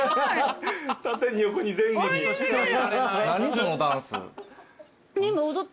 そのダンス。